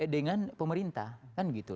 dengan pemerintah kan gitu